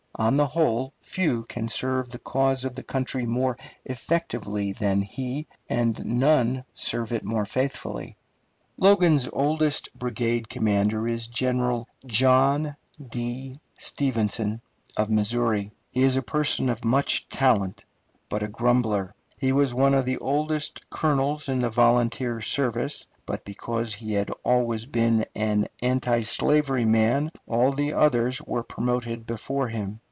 On the whole, few can serve the cause of the country more effectively than he, and none serve it more faithfully. Logan's oldest brigade commander is General John D. Stevenson, of Missouri. He is a person of much talent, but a grumbler. He was one of the oldest colonels in the volunteer service, but because he had always been an antislavery man all the others were promoted before him.